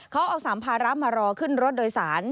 เขาเอาสามภาระมารอขึ้นรถโดยสาร